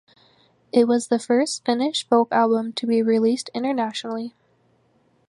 It was the first Finnish folk album to be released internationally.